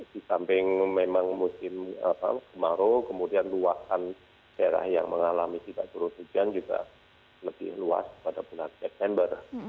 di samping memang musim kemarau kemudian luasan daerah yang mengalami tidak turun hujan juga lebih luas pada bulan september